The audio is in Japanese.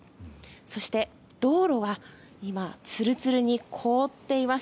そして、道路は今、ツルツルに凍っています。